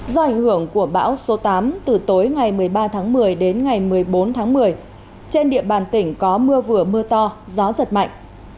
do ảnh hưởng của bão số tám từ tối ngày một mươi ba tháng một mươi đến ngày một mươi bốn tháng một mươi trên địa bàn tỉnh có mưa vừa mưa to gió giật mạnh